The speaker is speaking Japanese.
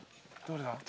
どれだ？